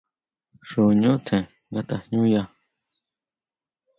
Xuñu tjín nga tajñuña.